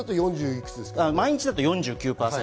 毎日だと４９％。